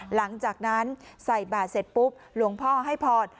หลังจากนั้นใส่บาทเสร็จปุ๊บหลวงพ่อให้พร